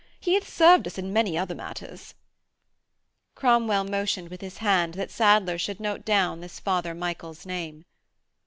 He hath served us in many other matters.' Cromwell motioned with his hand that Sadler should note down this Father Michael's name.